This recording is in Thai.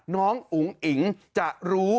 น้องอุ๋งอิงจะรู้